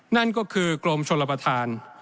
นั่นก็คือกรมชนประธาน